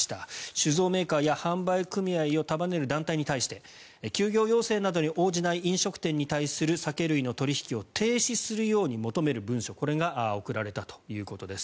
酒造メーカーや販売組合を束ねる団体に対して休業要請などに応じない飲食店に対する酒類の取引を停止するように求める文書これが送られたということです。